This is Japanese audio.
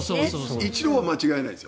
イチローは間違いないですよ。